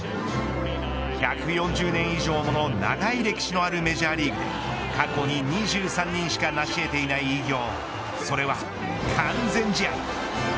１４０年以上もの長い歴史のあるメジャーリーグで過去に２３人しか成し得ていない偉業それは完全試合。